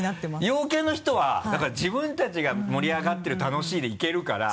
陽キャの人はだから自分たちが盛り上がってる楽しいでいけるから。